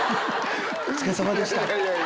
「お疲れさまでした」。